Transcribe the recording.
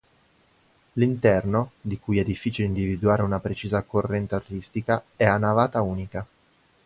L'interno, di cui è difficile individuare una precisa corrente artistica, è a navata unica.